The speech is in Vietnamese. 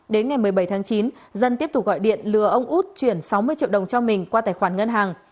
đến ngày một mươi bảy tháng chín dân tiếp tục gọi điện lừa ông út chuyển sáu mươi triệu đồng cho mình qua tài khoản ngân hàng